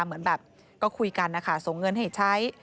เหมือนแบบก็คุยกันนะคะส่งเงินให้ใช้